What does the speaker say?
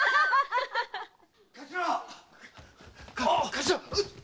・頭！